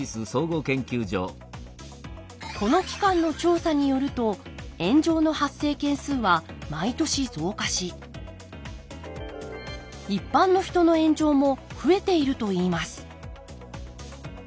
この機関の調査によると炎上の発生件数は毎年増加し一般の人の炎上も増えているといいます。